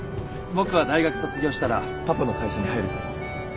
僕は大学卒業したらパパの会社に入ると思う。